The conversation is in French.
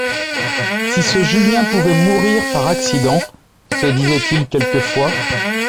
Si ce Julien pouvait mourir par accident ! se disait-il quelquefois.